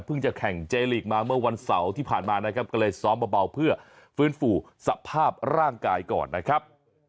จะแข่งเจลีกมาเมื่อวันเสาร์ที่ผ่านมานะครับก็เลยซ้อมเบาเพื่อฟื้นฟูสภาพร่างกายก่อนนะครับ